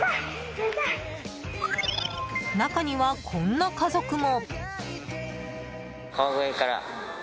中には、こんな家族も。